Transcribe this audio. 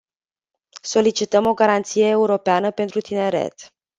Solicităm o "Garanție europeană pentru tineret”.